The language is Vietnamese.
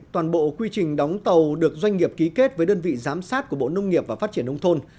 toàn bộ quy trình đóng tàu được doanh nghiệp ký kết với đơn vị giám sát của bộ nông nghiệp và phát triển nông thôn